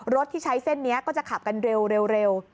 ที่ใช้เส้นนี้ก็จะขับกันเร็ว